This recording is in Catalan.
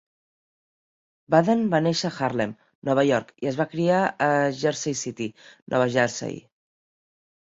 Budden va néixer a Harlem, Nova York i es va criar a Jersey City, Nova Jersey.